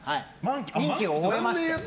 任期を終えまして。